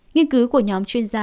nhiên cứu của nhóm chuyên gia